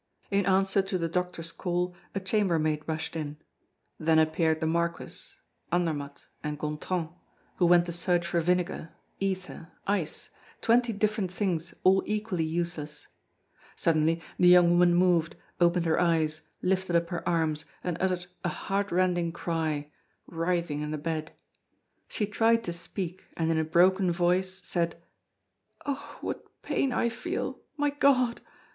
In answer to the doctor's call, a chambermaid rushed in; then appeared the Marquis, Andermatt, and Gontran, who went to search for vinegar, ether, ice, twenty different things all equally useless. Suddenly, the young woman moved, opened her eyes, lifted up her arms, and uttered a heartrending cry, writhing in the bed. She tried to speak, and in a broken voice said: "Oh! what pain I feel my God!